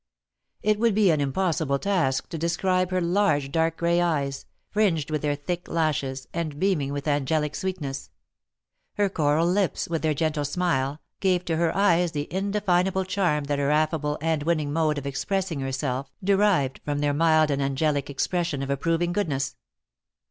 It would be an impossible task to describe her large dark gray eyes, fringed with their thick lashes, and beaming with angelic sweetness; her coral lips, with their gentle smile, gave to her eyes the indefinable charm that her affable and winning mode of expressing herself derived from their mild and angelic expression of approving goodness.